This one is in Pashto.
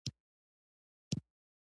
څو ډوله نومځري پيژنئ.